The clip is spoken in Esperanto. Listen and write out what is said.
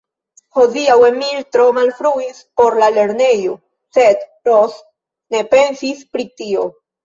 Hodiaŭ Emil tro malfruis por la lernejo, sed Ros ne pensis pri tio.